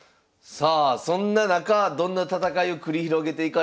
さあそんな中どんな戦いを繰り広げていかれるのか。